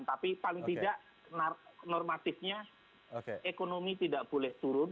tapi paling tidak normatifnya ekonomi tidak boleh turun